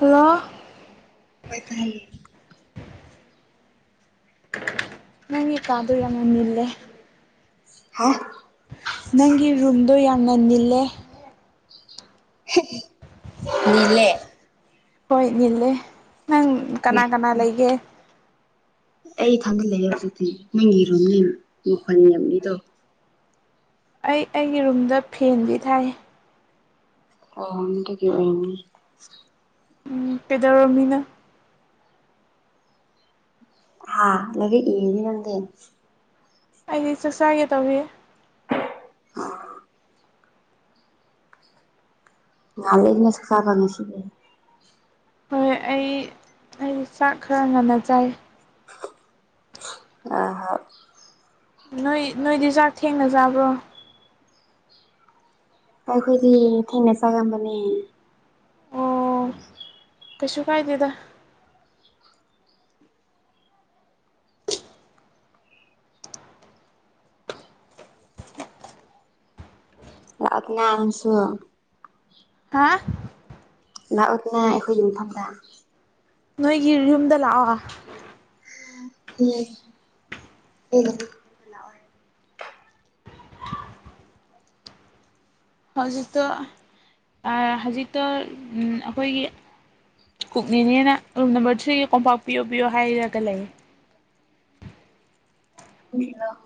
ꯂ ꯍ ꯅꯪꯤ ꯀꯥꯗꯨ ꯌꯥꯝ ꯃꯟꯅꯂꯦ ꯍꯥ ꯅꯪꯒꯤ ꯔꯨꯝꯗꯣ ꯌꯥꯝ ꯉꯅꯤꯜꯂꯦ ꯃꯤꯂꯦ ꯍꯣꯏ ꯏꯜꯂꯦ ꯅꯪ ꯑꯦ ꯀꯅꯥ ꯀꯅꯥ ꯂꯩꯒꯦ ꯑꯩ ꯊꯥꯖꯤꯜꯂꯛꯑꯦ ꯍꯧꯖꯤꯛꯇꯤ ꯅꯣꯏꯒꯤꯔꯨꯝꯅꯤ ꯃꯈꯣꯟꯅꯤꯦꯝꯅꯤꯗꯣ ꯑꯩ ꯑꯩꯒꯤ ꯔꯨꯝꯗ ꯐꯦꯟꯗꯤ ꯊꯥꯏ ꯑꯒꯤ ꯑꯣꯏꯅꯤ ꯎꯝ ꯄꯦꯗꯔꯣꯃꯤꯅ ꯍꯥꯥ ꯂꯒ ꯏꯅꯤ ꯂꯪꯗ ꯑꯩꯗꯤ ꯆꯥꯛ ꯆꯥꯒꯦ ꯇꯧꯕꯤ ꯑ ꯅꯂꯦ ꯑꯗꯨꯅꯁꯨ ꯀꯥꯄꯉꯁꯤꯒꯦ ꯍꯣꯏ ꯑꯩ ꯑꯩ ꯆꯥꯛ ꯈꯔ ꯉꯟꯅ ꯆꯥꯏ ꯑ ꯅꯣꯏ ꯅꯣꯏꯗꯤ ꯆꯥꯛ ꯊꯦꯡꯅꯖꯥꯕ꯭ꯔꯣ ꯀꯥꯏꯈꯣꯏꯗꯤ ꯊꯦꯡꯅ ꯆꯒꯦ ꯃꯅꯦ ꯀꯁꯤ ꯀꯥꯏ ꯇꯗ ꯑꯅ ꯑ ꯑꯃꯁꯁꯨ ꯍꯥ ꯂꯥꯛꯑꯣꯗꯅ ꯑꯩꯈꯣꯏ ꯌꯨꯝꯐꯝꯗ꯫ ꯅꯣꯏꯒꯤ ꯌꯨꯝꯗ ꯂꯥꯛꯑꯣ꯫ ꯍꯝ꯫ ꯍꯧꯖꯤꯛꯇꯣ ꯑꯥ ꯍꯧꯖꯤꯛꯇꫭ ꯑꯈꯣꯏꯒꯤ꯫ ꯀꯨꯛꯅꯤꯅꯦꯅ ꯔꯨꯝ ꯅꯝꯕꯔ ꯊ꯭ꯔꯤꯒꯤ ꯀꯣꯝꯄꯥꯛꯄꯤꯌꯣ ꯄꯤꯌꯣ ꯍꯥꯏꯔꯒ ꯂꯩꯌ‌ꯦ꯫ ꯫ ꯍꯨꯡꯁꯤꯂꫭ꯫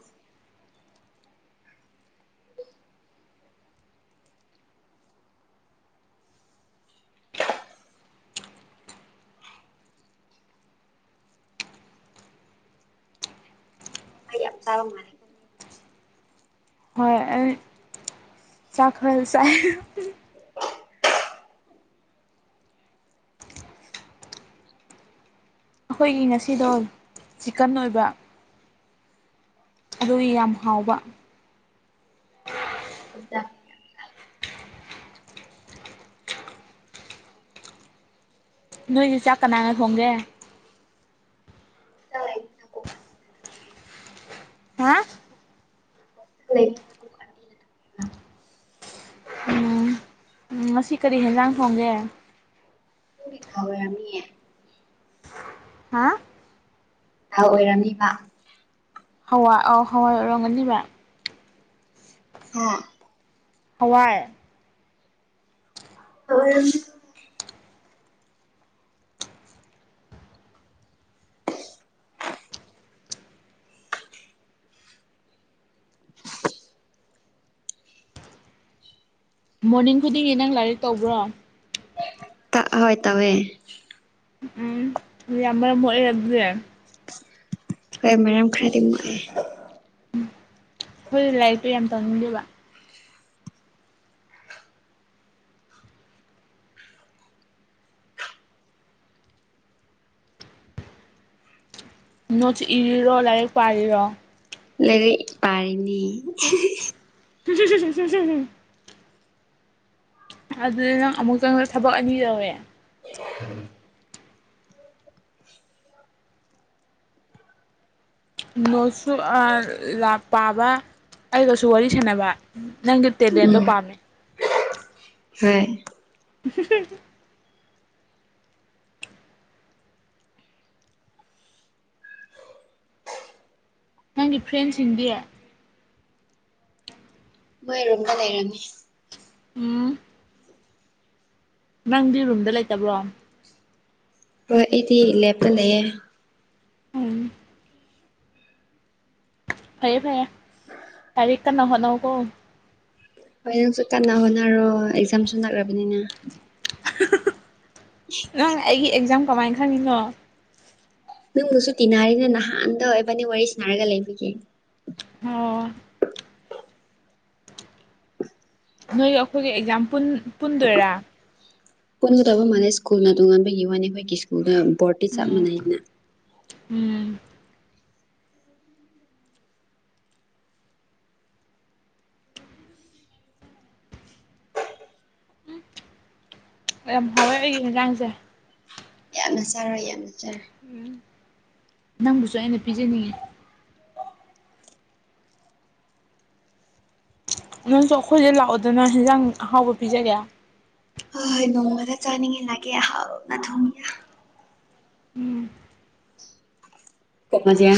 ꯐ ꯌꯥꯝ ꯆꯥꯕ ꯃꯥꯜꯂ‌ꯦꯀꫭ ꯃꯤꯗꯤ꯫ ꯍꯣꯏ ꯑꯩ꯫ ꯆꯥꯛꯈꯜꯂ ꯆꯥꯏ꯫ ꯑꯈꯣꯏꯒꯤ ꯉꯁꯤꯗꯣ ꯆꯤꯀꯟ ꯑꯣꯏꯕ꯫ ꯑꯗꯨꯏ ꯌꯥꯝ ꯍꯥꯎꯕ꯫ ꯗ꯫ ꯅꯣꯏꯗꯤ ꯆꯥꯛꯀꯅ ꯊꯣꯡꯒꯦ꯫ ꯇꯂꯥꯏ ꯊꯪꯀꫭꯛ ꯃꯅꯤ ꯫ ꯍꯥ ꯂꯩ꯫ ꯎꯝ ꯉꯁꯤ ꯀꯔꯤ ꯍꯦꯟꯖꯥꯡ ꯊꯣꯡꯒꯦ꯫ ꯑꯣꯏꯔꯝꯅꯤꯌꯦ ꯍꯥ꯫ ꯊ ꯑꯣꯏꯔꯝꯅꯤꯕ꯫ ꯍꯋꯥ ꯑꯣ ꯍꯋꯥꯏ ꯑꯣꯏꯔꯝꯒꯅꯤꯕ꯫ ꯍꯥ꯫ ꯍꯋꯥꯏ꯫ ꯫ ꯃꯣꯔꯅꯤꯡ ꯈꯨꯗꯤꯡꯒꯤ ꯅꯪ ꯂꯥꯏꯔꯤꯛ ꯇꯧꯕ꯭ꯔꯣ꯫ ꯍꯣꯏ ꯇꯧꯋꯦ꯫ ꯎꯝ ꯌꯥꯝ ꯃꯔꯝ ꯃꫭꯛꯑꯦ ꯑꯗꯨꯗꯤ꯫ ꯍꯣꯏ ꯃꯔꯝ ꯈꯔꯗꯤ ꯃꫭꯛꯑꯦ꯫ ꯈꫭꯏꯅ ꯂꯥꯏꯔꯤꯛꯇꯣ ꯌꯥꯝ ꯇꯧꯅꯤꯡꯗꯦꯕ꯫ ꯅꫭꯠ ꯏꯔꯤꯔꫭ ꯂꯥꯏꯔꯤꯛ ꯄꯥꯥꯔꯤꯔꫭ꯫ ꯂꯩꯔꯤꯛ ꯄꯔꯤꯅꯤ꯫ ꯫ ꯑꯗꯨꯗ ꯅꯪ ꯑꯃꯨꯛꯇꯪꯗ ꯊꯕꯛ ꯑꯅꯤ ꯇꯧꯋꯤ꯫ ꯅꫭꯠꯁꯨ ꯑꯥ ꯄꯥꯕ ꯑꯩꯒꯁꯨ ꯋꯥꯔꯤ ꯁꯥꯟꯅꯕ꯫ ꯅꯪꯗꫭ ꯇ‌ꯦꯂ‌ꯦꯟꯗꫭ ꯎꯝ ꯄꯥꯝꯃ‌ꯦ꯫ ꯍꯣꯏ꯫ ꯫ ꯅꯪꯒꯤ ꯐ꯭ꯔꯦꯟꯁꯤꯡꯗꯤ꯫ ꯃꯣꯏꯔꯨꯝꯗ ꯂꯩꯔꯝꯅꯤ꯫ ꯎꯝ꯫ ꯅꯪꯗꯤ ꯔꯨꯝꯗ ꯂꯩꯇꯕ꯭ꯔꯣ꯫ ꯍꯣꯏ ꯑꯩꯗꯤ ꯂꯦꯞꯄ ꯂꯩꯌꯦ꯫ ꯎꯝ꯫ ꯐꯔꯦ ꯐꯔꯦ꯫ ꯀꯟꯅ ꯍꫭꯠꯅꯧꯀꫭ꯫ ꯍꯣꯏ ꯅꯪꯁꯨ ꯀꯟꯅ ꯍꯣꯠꯅꯔꯣ ꯑꯦꯛꯖꯥꯝꯁꯨ ꯅꯥꯛꯔꯕꯅꯤꯅ꯫ ꯅꯪ ꯑꯩꯒꯤ ꯑꯦꯛꯖꯥꯝ ꯀꯃꯥꯏ ꯈꯪꯉꯤꯅꯣ꯫ ꯅꯪꯕꯨꯁꯨ ꯇꯤꯟꯅꯔꯤꯅꯦ ꯅꯍꯥꯟꯗꫭ ꯏꯕꯅꯤ ꯋꯥꯔꯤ ꯁꯥꯟꯔꯒ ꯂꯩꯕꯤꯒꯤ꯫ ꯑꯣ ꯫ ꯅꯣꯏꯒ ꯑꯈꯣꯏꯒ ꯑꯦꯛꯖꯥꯝ ꯄꯨꯟ-ꯄꯨꯟꯗꯣꯏꯔ꯫ ꯄꯨꯟꯒꯗꯕ ꯃꯥꯟꯅꯩ ꯁ꯭ꯀꯨꯜꯅ ꯇꯣꯉꯥꯟꯕꯒꯤ ꯋꯥꯅꯤ ꯑꯈꯣꯏꯒꯤ ꯁ꯭ꯀꯨꯜꯗ ꯕꯣꯔꯗꯇꯤ ꯆꯞ ꯎꯝ ꯃꯥꯟꯅꯩꯗꯅ꯫ ꯎꯝ ꯌꯥꯝ ꯍꯥꯎꯋꯦꯕꯒꯤ ꯏꯟꯖꯥꯡꯁꯦ ꯌꯥꯝꯅ ꯆꯥꯔꯣꯏ ꯌꯥꯝꯅ ꯆꯔꯦ ꯎꯝ ꯅꯪꯕꯨꯁꯨ ꯑꯩꯅ ꯄꯤꯖꯅꯤꯡꯉꯤ ꯅꯪꯁꯨ ꯑꯩꯈꯣꯏꯁꯦ ꯂꯥꯛꯑꯣꯗꯅ ꯍꯟꯖꯥꯡ ꯑꯍꯥꯎꯕ ꯄꯤꯖꯒꯦ ꯍꯣꯏ ꯍꯣꯏ ꯅꯣꯡꯃꯗ ꯆꯥꯅꯤꯡꯉꯤ ꯂꯥꯛꯀꯦ ꯑꯍꯥꯎꯅ ꯊꯣꯡꯒꯦ ꯎꯝ ꯀꯃꯗꯤ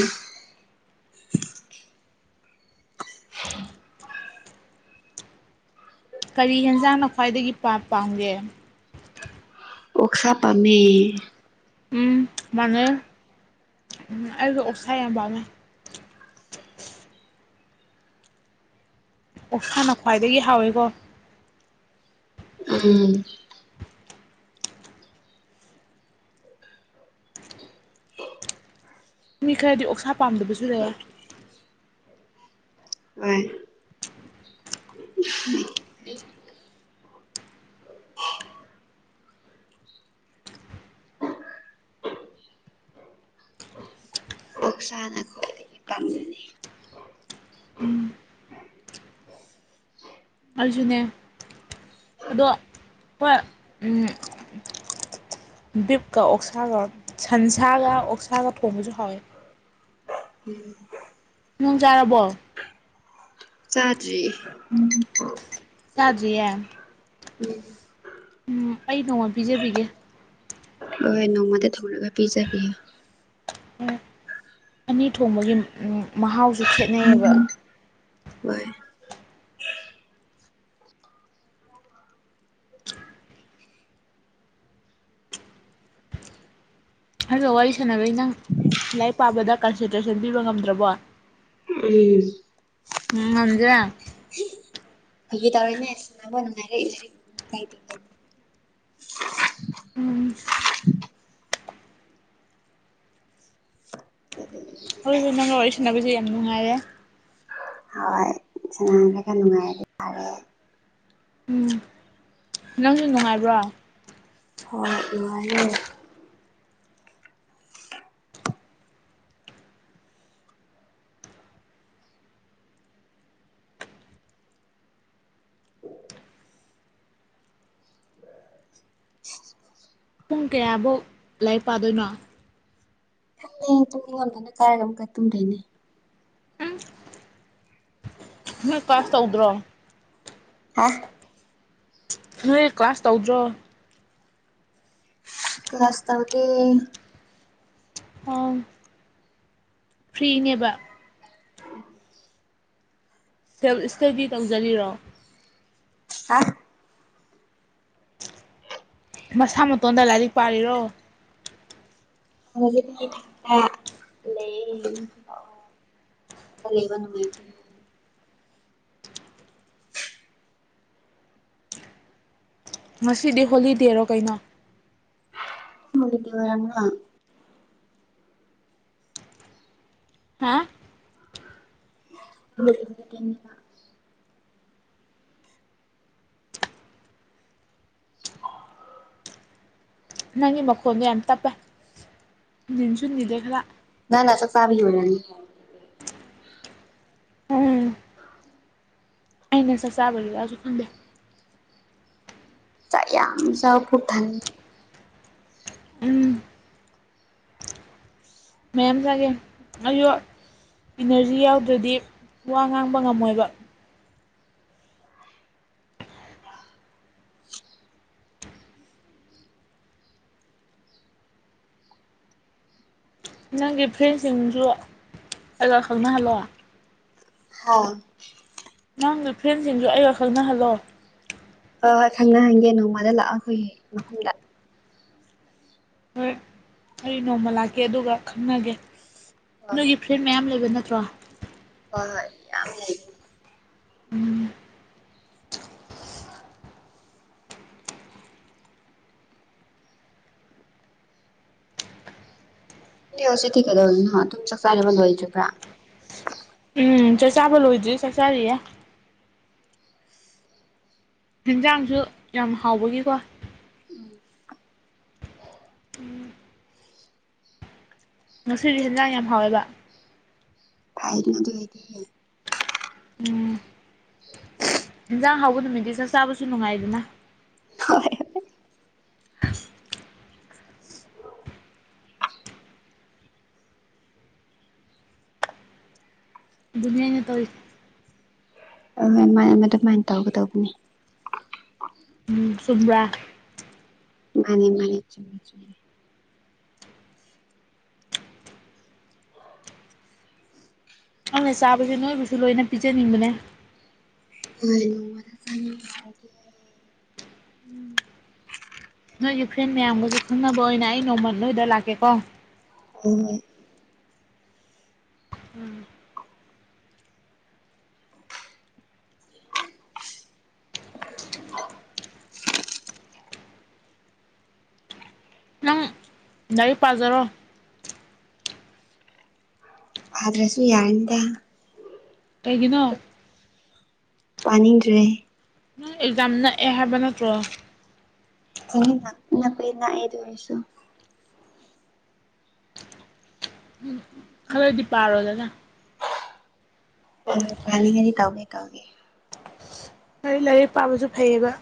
ꯀꯔꯤ ꯍꯦꯟꯖꯥꯡꯅ ꯈ꯭ꯋꯥꯏꯗꯒꯤ ꯄꯥꯝꯒꯦ ꯎꯁꯥ ꯄꯝ ꯎ ꯃꯥꯟꯅꯩ ꯑꯩꯁꯨ ꯑꯣꯛꯁꯥ ꯌꯥꯝ ꯄꯥꯝꯃꯦꯩ [unintelligible] ꯑꯣꯁꯥꯅ ꯈ꯭ꯋꯥꯏꯗꯒꯤ ꯍꯥꯎꯋꯤꯀꯣ ꯎꯝ ꯃꯤ ꯈꯔꯗꯤ ꯑꯣꯛꯁꯥ ꯄꯥꯝꯗꯕꯁꯨ ꯂꯩꯦ ꯍ ꯑꯣꯛꯁꯥꯅ ꯈ꯭ꯋꯥꯏꯗꯒꯤ ꯄꯥꯝꯖꯅꯤ ꯑꯔꯖꯨꯅꯦ ꯑꯗꯣ ꯍꯣꯏ ꯎ ꯕꯤꯛꯀ ꯑꯣꯛꯁꯥꯒ ꯁꯟꯁꯥꯒ ꯑꯣꯛꯁꯥꯒ ꯊꯣꯡꯕꯁꯨ ꯍꯥꯎꯋꯦ ꯅꯨꯡꯣꯡ ꯆꯥꯔꯕꯣ ꯆꯥꯇ꯭ꯔꯤ ꯁꯥꯗꯤꯌꯦ ꯎꯝ ꯎ ꯑꯩ ꯅꯣꯡꯃ ꯄꯤꯖꯕꯤꯒꯦ ꯍꯣꯏ ꯍꯣꯏ ꯅꯣꯡꯃꯗ ꯊꯣꯡꯂꯒ ꯄꯤꯖꯒ ꯑꯅꯤ ꯊꯣꯡꯕꯒꯤ ꯃꯍꯥꯎꯁꯨ ꯈꯦꯠꯅꯩꯌꯦꯕ ꯍꯣꯏ ꯍꯥꯏꯕ ꯋꯥꯔꯤ ꯁꯥꯟꯅꯕꯩ ꯅꯪ ꯂꯥꯏꯔꯤꯛ ꯄꯥꯕꯗ ꯀꯟꯁꯦꯟꯇ꯭ꯔꯦꯁꯟ ꯄꯤꯕ ꯉꯝꯗ꯭ꯔꯕꯣ ꯎꯝ ꯎꯝ ꯍꯧꯪꯖ ꯑꯩ ꯇꯅꯔꯦ ꯎꯝ ꯍ ꯅꯪꯒ ꯋꯥꯔꯤ ꯁꯥꯟꯅꯕꯁꯦ ꯌꯥꯝ ꯅꯨꯡꯉꯥꯏꯔꯦ ꯍꯣꯏ ꯁꯅꯔꯒ ꯅꯨꯡꯉꯥꯏꯔ ꯑꯗꯨ ꯌꯥꯥꯔꯦ ꯎꯝ ꯅꯪꯁꯨ ꯅꯨꯡꯉꯥꯏꯕ꯭ꯔꯣ ꯍꯣꯏ ꯌꯥꯔꯦ ꯄꯨꯡ ꯀꯌꯥꯕꯨꯧ ꯂꯥꯏꯔꯤꯛ ꯄꯥꯗꯣꯏꯅꯣ ꯍ ꯑꯗꯨꯨꯝ ꯑꯩꯉꯣꯟꯗꯅ ꯀꯥꯏꯔꯒ ꯑꯃꯒ ꯇꯨꯝꯗꯣꯏꯅꯦ ꯎꯝ ꯅꯪ ꯀꯥꯁ ꯇꯧꯗ꯭ꯔꯣ ꯑ ꯅꯣꯏ ꯀ꯭ꯂꯥꯁ ꯇꯧꯗ꯭ꯔꯣ ꯀꯥꯁ ꯇꯕꯨꯗꯤ ꯑꯥꯎ ꯐ꯭ꯔꯤꯅꯦꯕ ꯁꯦꯜꯞ ꯏꯁꯇꯗꯤ ꯇꯧꯖꯔꯤꯔꯣ ꯍꯥ ꯃꯁꯥ ꯃꯇꯣꯟꯗ ꯂꯥꯏꯔꯤꯛ ꯄꯥꯔꯤꯔꯣ ꯂꯩ ꯇꯠꯇ ꯂꯩꯦꯕ ꯅꯃꯥꯏꯗꯤ ꯉꯁꯤꯗꯤ ꯍꯣꯂꯤꯗꯦꯔꯣ ꯀꯩꯅꯣ ꯃꯅꯤꯒꯤ ꯋꯥꯔꯃ ꯍꯥ ꯍ ꯑ ꯅꯪꯒꯤ ꯃꯈꯣꯟꯗꯣ ꯌꯥꯝ ꯇꯞꯄꯦ ꯅꯤꯟꯁꯨ ꯅꯤꯗꯦ ꯈꯔ ꯅ ꯆ ꯆꯥꯕ ꯑꯣꯏꯔꯅꯤ ꯑꯩꯅꯁ ꯆꯥꯕ ꯑꯁꯨ ꯈꯟꯗꯦ ꯆ ꯌꯥꯝ ꯆ ꯈꯨ ꯊꯟ ꯎꯝ ꯃꯌꯥꯝꯌꯥꯝꯖꯒꯦ ꯑꯌꯨ ꯏꯅꯔꯖꯤ ꯌꯥꯎꯗ꯭ꯔꯗꯤ ꯋꯥ ꯉꯥꯡꯕ ꯉꯝꯃꯣꯏꯕ ꯅꯪꯒꯤ ꯐ꯭ꯔꯦꯟꯁꯤꯡꯁꯨ ꯑꯩꯒ ꯈꯪꯅꯍꯜꯂꯣ ꯍꯥꯥ ꯅꯪꯒꯤ ꯐ꯭ꯔꯦꯟꯁꯤꯡꯁꯨ ꯑꯩꯒ ꯈꯪ ꯅꯍꯜꯂꯣ ꯍꯣꯏ ꯍꯣꯏ ꯈꯪꯅ ꯍꯪꯒꯦ ꯅꯣꯡꯃꯗ ꯂꯥꯛꯑꯣ ꯑꯩꯈꯣꯏꯒꯤ ꯃꯐꯝꯗ ꯍꯣꯏ ꯑꯩ ꯅꯣꯡꯃ ꯂꯥꯛꯀꯦ ꯑꯗꯨꯒ ꯈꯪꯅꯒꯦ ꯍꯣꯏ ꯍꯣꯏ ꯅꯣꯏꯒꯤ ꯐ꯭ꯔꯦꯟ ꯃꯌꯥꯝ ꯂꯩꯕ ꯅꯠꯇ꯭ꯔꯣ ꯍꯣꯏ ꯍꯣꯏ ꯌꯥꯝ ꯂꯩ ꯎꯝ ꯗꯤꯁꯤ ꯊꯤ ꯀꯗꯧ ꯇꯨꯝ ꯆ ꯐꯥꯏꯔꯦꯕ ꯋꯥꯜ ꯆꯕ꯭ꯔꯥ ꯎꯝ ꯆꯥꯛ ꯆꯥꯕ ꯂꯣꯏꯗ꯭ꯦ ꯆꯥꯛꯆꯥꯥꯔꯤꯌꯦ ꯍꯤꯟꯖꯥꯡꯁꯨ ꯌꯥꯝ ꯍꯥꯎꯕꯒꯤꯀꯣ ꯉꯁꯤꯗꯤ ꯍꯦꯟꯖꯥꯡ ꯌꯥꯝ ꯍꯥꯎꯋꯦꯕ ꯐꯥꯏꯣꯏꯗꯦ ꯎꯝ ꯏꯖꯥꯡ ꯍꯥꯎꯕ ꯅꯨꯃꯤꯠꯠꯇ ꯆꯥ ꯆꯥꯕꯁꯨ ꯅꯨꯡꯉꯥꯏꯗꯅ ꯍꯣꯏ ꯍ ꯑꯗꯨꯅꯌꯥꯅ ꯇꯧꯔꯤ ꯑꯣꯏ ꯑꯗꯨꯃꯥꯏꯅ ꯇꯧꯒꯗꯧꯕꯅꯤ ꯆꯨꯝ꯭ꯔꯥ ꯃꯥꯅꯤ ꯃꯥꯅꯤ ꯆꯨꯝꯃꯦ ꯆꯨꯝꯃꯦ ꯑꯗꯨꯅ ꯆꯥꯕꯁꯦ ꯅꯣꯏꯕꯨꯁꯨ ꯂꯣꯏꯅ ꯄꯤꯖꯅꯤꯡꯕꯅꯦ ꯍꯣꯏꯗ ꯁ ꯅꯣꯏꯒꯤ ꯐ꯭ꯔꯦꯟ ꯃꯌꯥꯝꯒꯁꯨ ꯈꯪꯅꯕ ꯑꯣꯏꯅ ꯑꯩ ꯅꯣꯡꯃꯜ ꯅꯣꯏꯗ ꯂꯥꯛꯀꯦꯀꯣ ꯎ ꯔꯤ ꯄꯥꯖꯔꯣ ꯑ꯭ꯔꯁꯨ ꯌꯥꯗ ꯀꯩꯒꯤꯅꯣ ꯄꯥꯅꯤꯡꯗ꯭ꯔꯦ ꯅꯪ ꯑꯦꯛꯖꯥꯝ ꯅꯛꯑꯦ ꯍꯥꯏꯕ ꯅꯠꯇ꯭ꯔꯣ ꯅ ꯀꯩꯑꯗꯣꯏꯁꯨꯣ ꯈꯔꯣꯗꯤ ꯄꯥꯔꯣꯗꯗꯥ ꯀꯅꯤꯡꯗꯤ ꯇꯧꯒꯦ ꯇꯧꯒꯦ ꯂꯥꯏꯔꯤꯛ ꯄꯥꯕꯁꯨ ꯐꯩꯌꯦꯕ